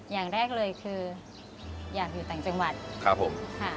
อย่างแรกเลยคืออยากอยู่ต่างจังหวัดครับผมค่ะ